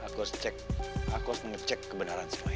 aku harus cek aku harus ngecek kebenaran semua ini